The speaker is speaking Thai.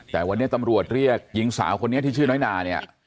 แต่วันนี้ตำรวจเรียกหญิงสาวคนนี้ที่ชื่อน้อยนาเนี่ย